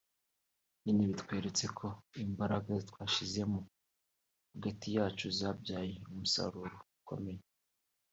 nyine bitweretse ko imbaraga twashyizemo hagati yacu zabyaye umusaruro ukomeye